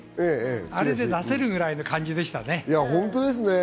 あれで出せるぐらいの感じでしたね。